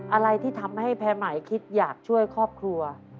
อะไรที่ทำให้แพร่หมายคิดอยากช่วยครอบครัว